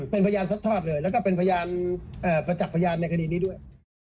เป็นพยานซัดทอดเลยแล้วก็เป็นพยานประจักษ์พยานในคดีนี้ด้วย